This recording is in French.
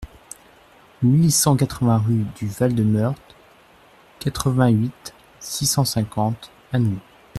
mille cent quatre-vingts rue du Val de Meurthe, quatre-vingt-huit, six cent cinquante, Anould